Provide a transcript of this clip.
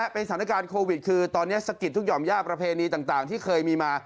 เป็นสถานการณ์โควิดคือตอนนี้สะกิดทุกห่อมย่าประเพณีต่างที่เคยมีมา